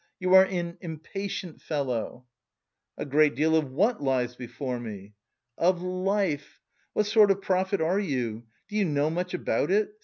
You are an impatient fellow!" "A great deal of what lies before me?" "Of life. What sort of prophet are you, do you know much about it?